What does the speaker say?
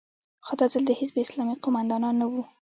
خو دا ځل د حزب اسلامي قومندانان نه وو.